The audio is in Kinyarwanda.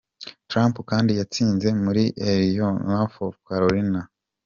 Trump kandi yatsinze muri Illinois na North Carolina.